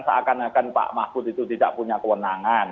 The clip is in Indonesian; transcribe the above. seakan akan pak mahfud itu tidak punya kewenangan